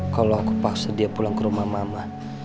kalau aku paksa dia pulang ke rumah mama